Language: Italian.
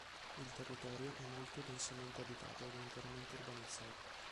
Il territorio è molto densamente abitato ed è interamente urbanizzato.